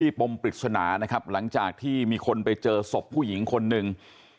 ปมปริศนานะครับหลังจากที่มีคนไปเจอศพผู้หญิงคนหนึ่ง